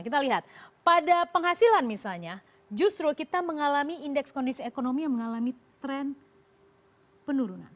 kita lihat pada penghasilan misalnya justru kita mengalami indeks kondisi ekonomi yang mengalami tren penurunan